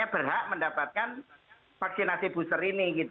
berhak mendapatkan vaksinasi booster ini